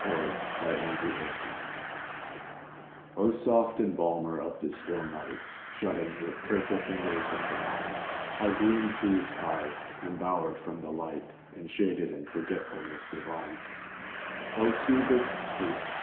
John Keats To Sleep O SOFT embalmer of the still midnight, Shutting, with careful fingers and benign, Our gloom pleas'd eyes, embower'd from the light, Enshaded in forgetfulness divine: O soothest Sleep!